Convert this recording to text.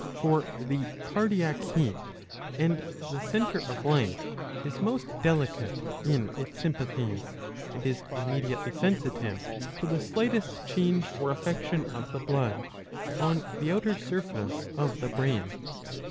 For the cardiac heat and the centre of life is most delicate in its sympathies, and is immediately sensitive to the slightest change or affection of the blood on the outer surface of the brain.